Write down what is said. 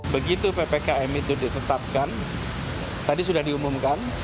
begitu ppkm itu ditetapkan tadi sudah diumumkan